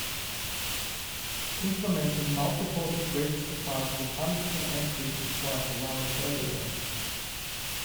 Implementing multiported register files with hundreds of entries requires a large area.